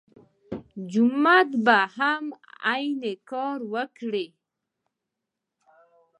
جومات به هم عین کار وکړي.